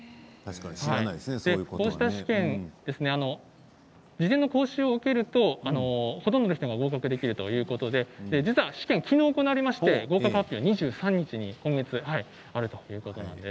こうした試験事前の講習を受けるとほとんどの人が合格できるということで実は試験はきのう行われまして合格発表は今月２３日にあるということです。